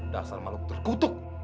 dasar makhluk terkutuk